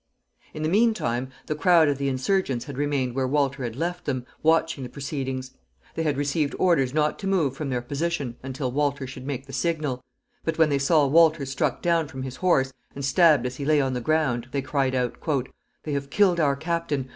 In the mean time, the crowd of the insurgents had remained where Walter had left them, watching the proceedings. They had received orders not to move from their position until Walter should make the signal; but when they saw Walter struck down from his horse, and stabbed as he lay on the ground, they cried out, "They have killed our captain.